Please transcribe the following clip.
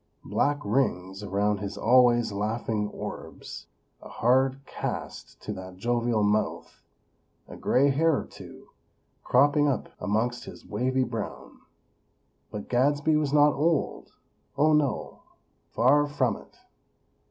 Black rings around his always laughing orbs; a hard cast to that jovial mouth; a gray hair or two, cropping up amongst his wavy brown. But Gadsby was not old. Oh, no; far from it.